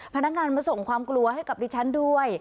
พนักงานมาส่งความกลัวให้กับดิฉันด้วย